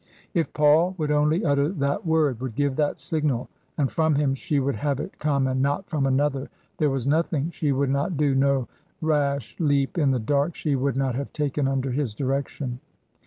If Paul would only utter that word, would give that signal — ^and from him she would have it come and not from another — there was nothing she would not do, no rash leap in the dark she would not have taken under his direction.